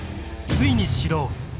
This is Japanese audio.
［ついに始動］